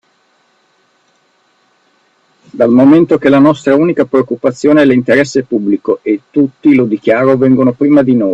Dal momento che la nostra unica preoccupazione è l'interesse pubblico e tutti, lo dichiaro, vengono prima di noi.